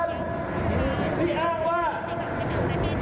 ว่าเที่ยวที่นี้